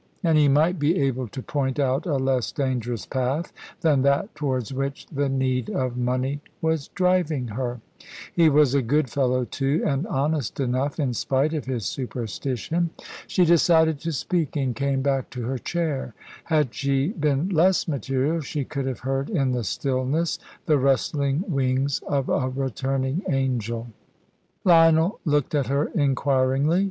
And he might be able to point out a less dangerous path than that towards which the need of money was driving her. He was a good fellow, too, and honest enough, in spite of his superstition. She decided to speak, and came back to her chair. Had she been less material, she could have heard in the stillness the rustling wings of a returning angel. Lionel looked at her inquiringly.